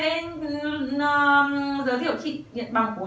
em sẽ giới thiệu chị nhận bằng của hàn quốc luôn